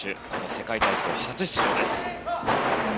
世界体操初出場です。